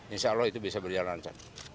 insya allah itu bisa berjalan